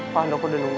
pak handok udah nunggu